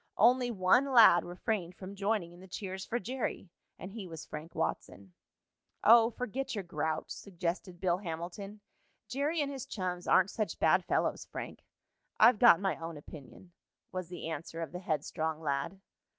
Only one lad refrained from joining in the cheers for Jerry, and he was Frank Watson. "Oh, forget your grouch," suggested Bill Hamilton. "Jerry and his chums aren't such bad fellows, Frank." "I've got my own opinion," was the answer of the headstrong lad.